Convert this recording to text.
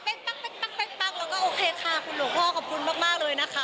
เป๊ะปั๊กเป๊ะปั๊กเป๊ะปั๊กแล้วก็โอเคค่ะคุณหลวงพ่อขอบคุณมากมากเลยนะคะ